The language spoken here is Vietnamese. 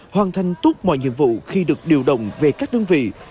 hoàn thành tốt mọi nhiệm vụ khi được điều động về các đơn vị